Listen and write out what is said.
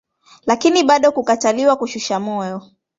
Lakini bado kukataliwa kushushwa moyo.